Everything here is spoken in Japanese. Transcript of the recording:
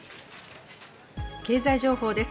経済情報です。